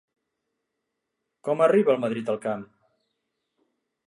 Com arriba el Madrid al camp?